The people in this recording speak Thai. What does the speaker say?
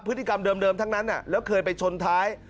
พฤติกรรมเดิมทั้งนั้นแล้วเคยไปชนท้าย